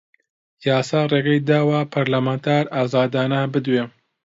یاسا ڕێگەی داوە پەرلەمانتار ئازادانە بدوێ